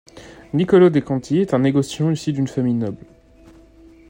Nicolò de' Conti est un négociant issu d'une famille noble.